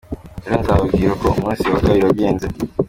Ejo nzababwira uko umunsi wa kabiri wagenze.